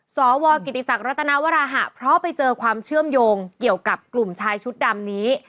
สวกิติศักดิรัตนวราหะเพราะไปเจอความเชื่อมโยงเกี่ยวกับกลุ่มชายชุดดำนี้